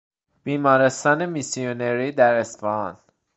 بیمارستان میسیونری در اصفهان